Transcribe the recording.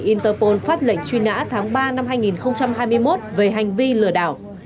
interpol phát lệnh truy nã tháng ba năm hai nghìn hai mươi một về hành vi lừa đảo